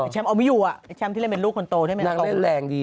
เชอมเอาไม่อยู่อะไอ้เชอมที่เล่นเป็นลูกคนโตนั่งเล่นแรงดี